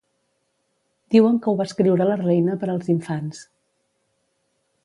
Diuen que ho va escriure la reina per als infants.